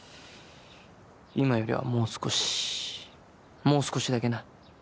今よりはもう少しもう少しだけな。